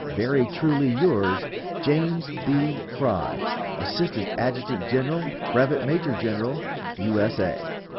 Very truly yours, JAMES B. FRY, _Assistant Adjutant General, Brevet Major General U. S. A.